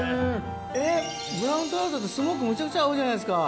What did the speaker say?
えっブラウントラウトってスモークむちゃくちゃ合うじゃないですか。